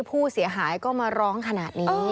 ผู้เสียหายก็มาร้องขนาดนี้